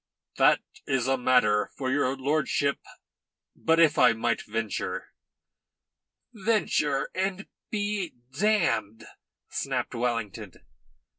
"That is a matter for your lordship. But if I might venture " "Venture and be damned," snapped Wellington.